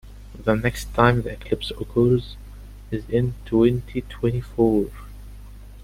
The next time the eclipse occurs is in twenty-twenty-four.